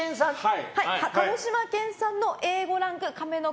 鹿児島県産のＡ５ランク